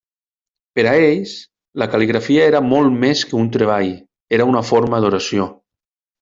Per a ells, la cal·ligrafia era molt més que un treball: era una forma d'oració.